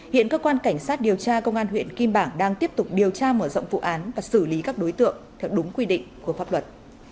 hiện cơ quan cảnh sát điều tra công an huyện kim bảng đang tiếp tục điều tra mở rộng vụ án và xử lý các đối tượng theo đúng quy định của pháp luật